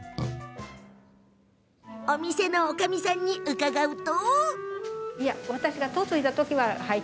お店のおかみさんに伺うと。